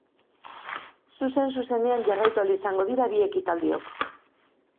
Zuzen-zuzenean jarraitu ahal izango dira bi ekitaldiok.